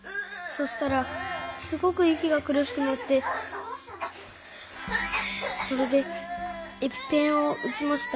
そしたらすごくいきがくるしくなってそれでエピペンをうちました。